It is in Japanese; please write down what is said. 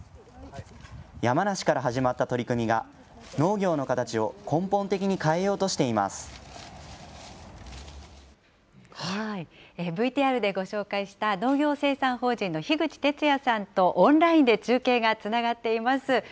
山梨から始まった取り組みが、農業の形を根本的に変えようとしてＶＴＲでご紹介した、農業生産法人の樋口哲也さんとオンラインで中継がつながっています。